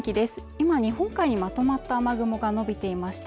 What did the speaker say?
今日本海にまとまった雨雲が延びていまして